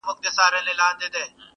چاته ولیکم بیتونه پر چا وکړمه عرضونه،